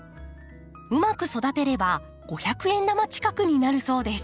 うまく育てれば五百円玉近くになるそうです。